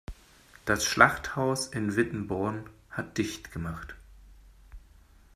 Das Schlachthaus in Wittenborn hat dicht gemacht.